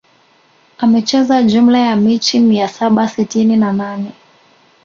Amecheza jumla ya mechi mia saba sitini na nane